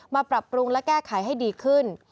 ปรับปรุงและแก้ไขให้ดีขึ้น